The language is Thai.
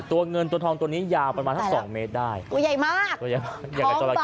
ตัวเงินตัวทองตัวนี้ยาวประมาณถ้าสองเมตรได้ดูใหญ่มากท้องบ้านมาก